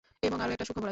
এবং আরও একটা সুখবর আছে।